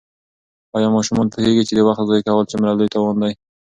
آیا ماشومان پوهېږي چې د وخت ضایع کول څومره لوی تاوان دی؟